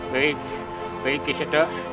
baik baik kisah tak